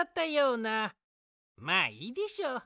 まあいいでしょう。